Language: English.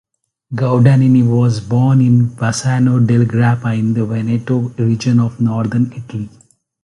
Guadagnini was born in Bassano del Grappa in the Veneto region of northern Italy.